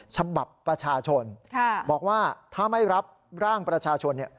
ฉบับประชาชนบอกว่าถ้าไม่รับร่างประชาชนเนี่ย